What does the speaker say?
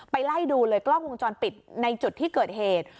ไล่ดูเลยกล้องวงจรปิดในจุดที่เกิดเหตุ